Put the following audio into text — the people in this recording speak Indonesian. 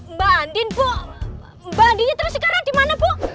mbak andin bu mbak andiin terus sekarang di mana bu